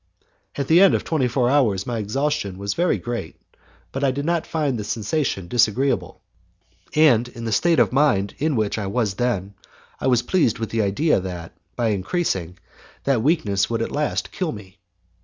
At the end of twenty four hours, my exhaustion was very great, but I did not find the sensation disagreeable, and, in the state of mind in which I was then, I was pleased with the idea that, by increasing, that weakness would at last kill me.